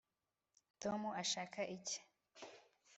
tom ashaka iki